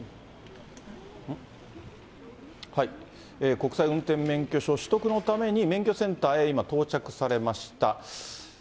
国際運転免許証取得のために、免許センターに今、到着されました。